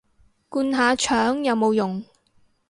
灌下腸有冇用